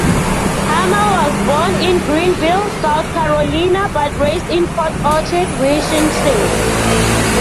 Hammel was born in Greenville, South Carolina, but raised in Port Orchard, Washington.